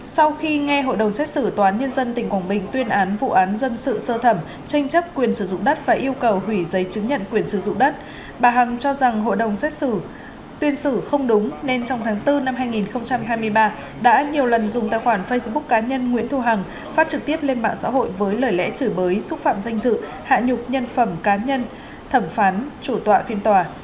sau khi nghe hội đồng xét xử tòa án nhân dân tỉnh quảng bình tuyên án vụ án dân sự sơ thẩm tranh chấp quyền sử dụng đất và yêu cầu hủy giấy chứng nhận quyền sử dụng đất bà hằng cho rằng hội đồng xét xử tuyên xử không đúng nên trong tháng bốn năm hai nghìn hai mươi ba đã nhiều lần dùng tài khoản facebook cá nhân nguyễn thu hằng phát trực tiếp lên mạng xã hội với lời lẽ chửi bới xúc phạm danh dự hạ nhục nhân phẩm cá nhân thẩm phán chủ tọa phiên tòa